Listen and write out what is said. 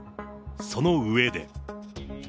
その上で。